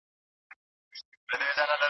ټایپ کول زده کړئ.